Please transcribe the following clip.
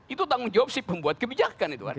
itu tanggung jawab si pembuat kebijakan